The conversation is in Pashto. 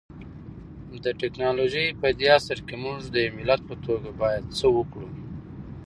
د ټکنالوژۍ پدې عصر کي مونږ د يو ملت په توګه بايد څه وکړو؟